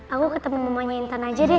aku ketemu mamanya intan aja deh